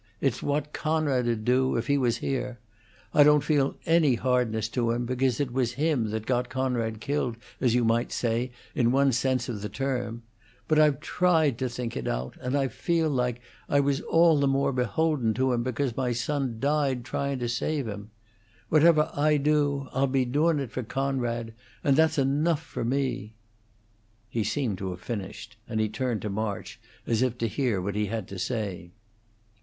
It's what Coonrod 'd do, if he was here. I don't feel any hardness to him because it was him that got Coonrod killed, as you might say, in one sense of the term; but I've tried to think it out, and I feel like I was all the more beholden to him because my son died tryin' to save him. Whatever I do, I'll be doin' it for Coonrod, and that's enough for me." He seemed to have finished, and he turned to March as if to hear what he had to say.